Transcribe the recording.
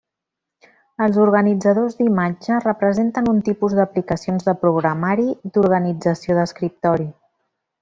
Els organitzadors d'imatge representen un tipus d'aplicacions de programari d'organització d'escriptori.